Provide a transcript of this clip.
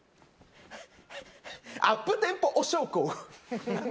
アップテンポお焼香。